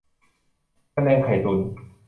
พะแนงไข่ตุ๋น